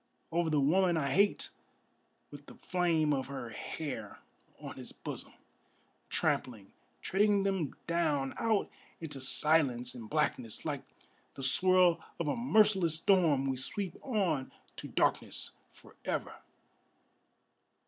Over the woman I hate with the flame of her hair on his bosom; Trampling, treading them down out into silence and blackness, Like the swirl of a merciless storm we sweep on to darkness forever!